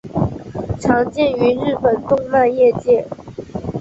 常见于日本动漫业界。